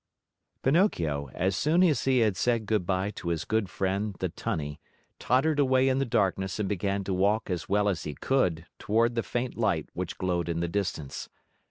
Pinocchio, as soon as he had said good by to his good friend, the Tunny, tottered away in the darkness and began to walk as well as he could toward the faint light which glowed in the distance.